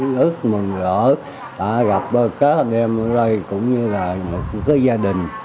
rất mừng rỡ gặp các anh em ở đây cũng như là các gia đình